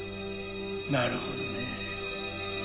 なるほどね。